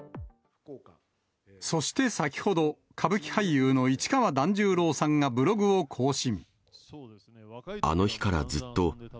そして先ほど、歌舞伎俳優の市川團十郎さんがブログを更新。